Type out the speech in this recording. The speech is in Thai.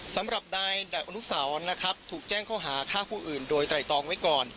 สำหรับนายแดดอนุสาวนะครับถูกแจ้งข้อหาฆ่าผู้อื่นโดยไตรตองไว้ก่อน